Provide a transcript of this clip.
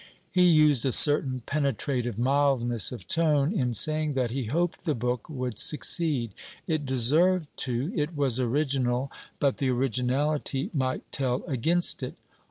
He used a certain penetrative mildness of tone in saying that 'he hoped the book would succeed': it deserved to; it was original; but the originality might tell against it.